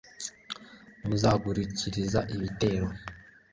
muzihagurukiriza ibitero